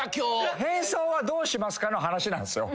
変装はどうしますかの話なんすよ。